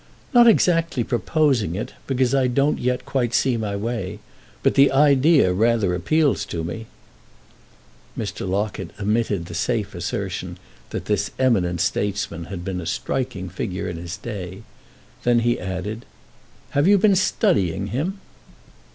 "Not exactly proposing it—because I don't yet quite see my way; but the idea rather appeals to me." Mr. Locket emitted the safe assertion that this eminent statesman had been a striking figure in his day; then he added: "Have you been studying him?"